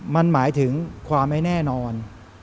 มันหมายถึงความไม่แน่นอน